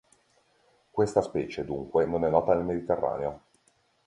Questa specie, dunque, non è nota nel Mediterraneo.